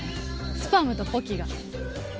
スパムとポキが。